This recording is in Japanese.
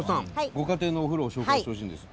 ご家庭のお風呂を紹介してほしいんです。